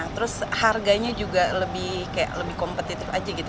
terus harganya juga lebih kompetitif aja gitu